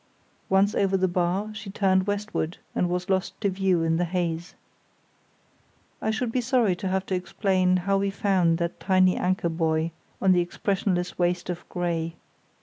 Once over the bar, she turned westward and was lost to view in the haze. I should be sorry to have to explain how we found that tiny anchor buoy, on the expressionless waste of grey.